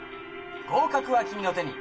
合格は君の手に。